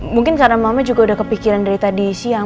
mungkin karena mama juga udah kepikiran dari tadi siang